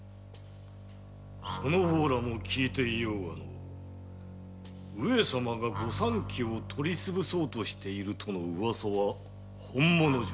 その方らも聞いておろうが上様が御三家を取りつぶそうとしているとのウワサは本物じゃ。